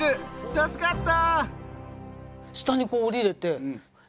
助かった！